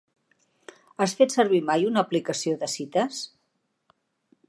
Has fet servir mai una aplicació de cites?